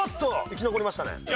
生き残りましたね。